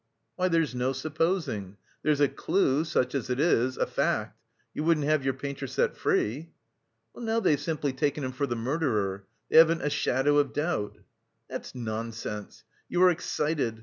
"Why, there's no supposing. There's a clue, such as it is, a fact. You wouldn't have your painter set free?" "Now they've simply taken him for the murderer. They haven't a shadow of doubt." "That's nonsense. You are excited.